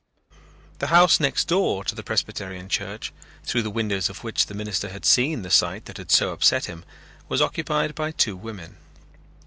The house next door to the Presbyterian Church, through the windows of which the minister had seen the sight that had so upset him, was occupied by two women.